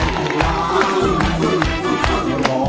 ร้องได้ให้ร้าน